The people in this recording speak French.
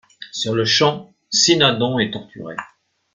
Sur le champ, Cinadon est torturé.